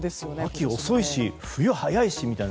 秋遅いし冬早いしみたいな。